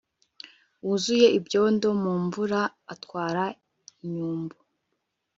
wuzuye ibyondo mu mvura, atwara inyumbu